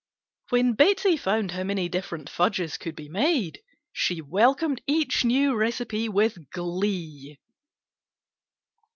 When Betsey found how many different "fudges" could be made she welcomed each new recipe with glee.